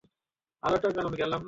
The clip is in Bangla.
কারণ আর কোন রাস্তা ছিলো না।